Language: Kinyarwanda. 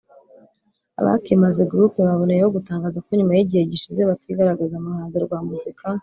Abakimaze group baboneyeho gutangaza ko nyuma y’igihe gishize batigaragaza mu ruhando rwa muzika